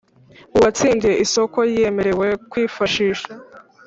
Uwatsindiye isoko yemerewe kwifashisha